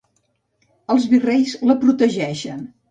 Els virreis la protegeixen.